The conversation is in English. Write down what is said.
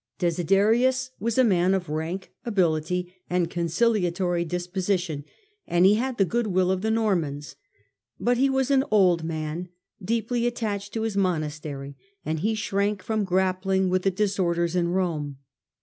Desiderius was a man of rank, ability, and conciliatory disposition, and he had the good will of the Normans ; but he was an old man, deeply attached to his monastery, and he shrank from grappling with the disorders in Eome.